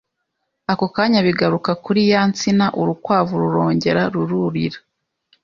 Ako kanya bigaruka kuri ya nsina, urukwavu rurongera rururira